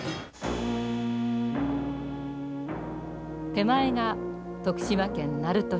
手前が徳島県鳴門市。